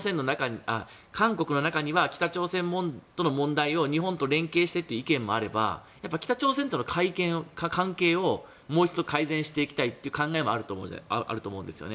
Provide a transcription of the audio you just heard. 韓国の中には北朝鮮との問題を日本と連携してという意見もあれば北朝鮮との関係を大きく改善していきたいという考えもあると思うんですよね。